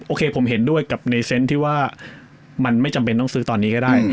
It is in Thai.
โอเคผมเห็นด้วยกับในเซนต์ที่ว่ามันไม่จำเป็นต้องซื้อตอนนี้ก็ได้